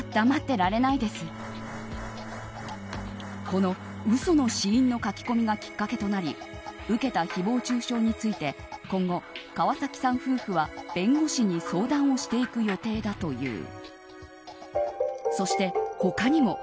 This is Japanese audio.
この嘘の死因の書き込みがきっかけとなり受けた誹謗中傷について今後、川崎さん夫婦は弁護士に相談をしていく予定だという。